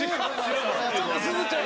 ちょっと、すずちゃん。